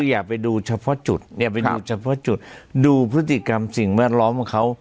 อยากไปรอยปลาอยากได้ไปดูชอบจุดดูพฤติกรรมสิ่งแวดล้อมของเขา